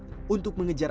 terlihat untuk mengejar